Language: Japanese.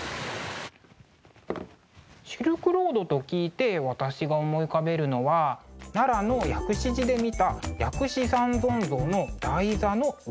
シルクロードと聞いて私が思い浮かべるのは奈良の薬師寺で見た薬師三尊像の台座の裏の模様ですかね。